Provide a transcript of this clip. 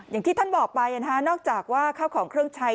อย่างที่ท่านบอกไปนอกจากว่าข้าวของเครื่องใช้